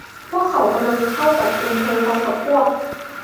พวกเขากำลังเข้าจับกุมเธอพร้อมกับพวก